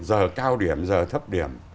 giờ cao điểm giờ thấp điểm